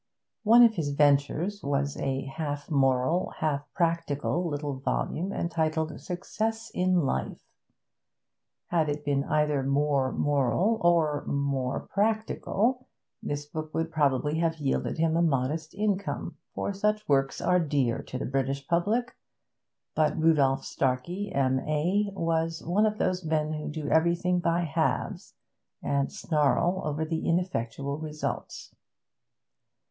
One of his ventures was a half moral, half practical little volume entitled Success in Life. Had it been either more moral or more practical, this book would probably have yielded him a modest income, for such works are dear to the British public; but Rudolph Starkey, M.A., was one of those men who do everything by halves and snarl over the ineffectual results.